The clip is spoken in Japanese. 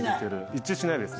一致しないです。